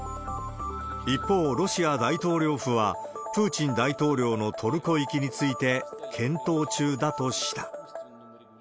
一方、ロシア大統領府は、プーチン大統領のトルコ行きについて、検討中だとした。